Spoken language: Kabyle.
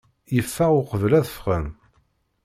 Yeffeɣ uqbel ad ffɣen.